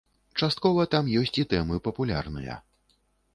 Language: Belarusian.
Часткова там ёсць і тэмы папулярныя.